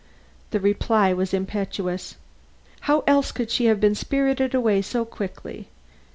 The reply was impetuous: "How else could she have been spirited away so quickly?